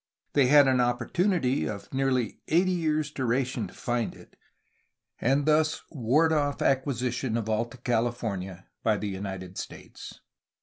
They had an opportunity of nearly eighty years' duration to find it and thus ward off acquisition of Alta California by the United States.